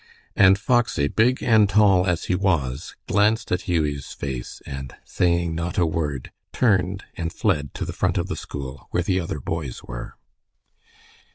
And Foxy, big and tall as he was, glanced at Hughie's face, and saying not a word, turned and fled to the front of the school where the other boys were.